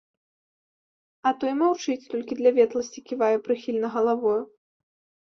А той маўчыць, толькі для ветласці ківае прыхільна галавою.